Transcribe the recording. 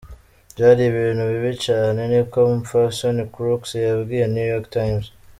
Vyari ibintu bibi cane,” ni ko umupfasoni Crooks yabwiye New York Times.